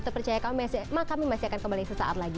terpercaya kami masih akan kembali sesaat lagi